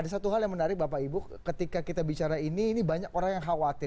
ada satu hal yang menarik bapak ibu ketika kita bicara ini ini banyak orang yang khawatir